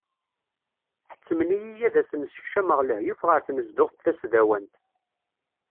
Ḥettmen-iyi ad asen-sekcameɣ lahyuf ɣer tnezduɣt tasdawant.